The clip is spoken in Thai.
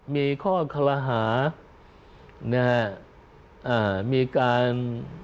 มีข้อคลาหาเนี่ยฮะอ่ามีการ